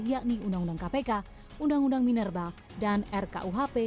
yakni undang undang kpk undang undang minerba dan rkuhp